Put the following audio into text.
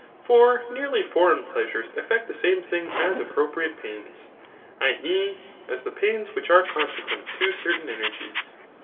For nearly foreign pleasures effect the same thing as appropriate pains, [i. e. as the pains which are consequent to certain energies.